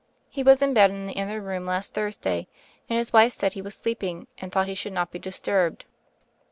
He was in bed in the inner room last Thursday, and his wife said he was sleeping and thought he should not be disturbed."